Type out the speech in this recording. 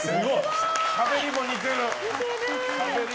しゃべりも似てる！